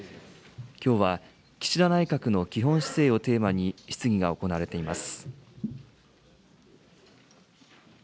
きょうは岸田内閣の基本姿勢をテーマに質疑が行われています。